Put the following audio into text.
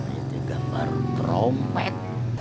ini gambar trompet